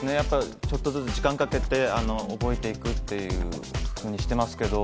ちょっとずつ時間をかけて覚えていくっていうふうにしてますけど。